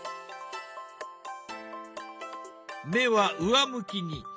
目は上向きに。